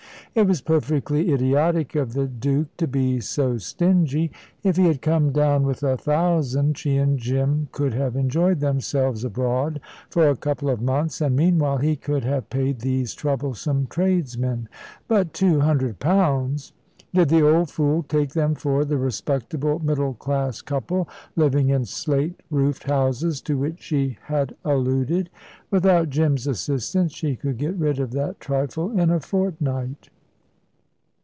It was perfectly idiotic of the Duke to be so stingy. If he had come down with a thousand, she and Jim could have enjoyed themselves abroad for a couple of months, and meanwhile, he could have paid these troublesome tradesmen. But two hundred pounds! Did the old fool take them for the respectable middle class couple, living in slate roofed houses, to which she had alluded? Without Jim's assistance she could get rid of that trifle in a fortnight.